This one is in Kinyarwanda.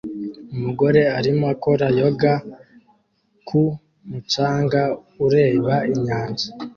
Umugore arimo akora yoga ku mucanga ureba inyanja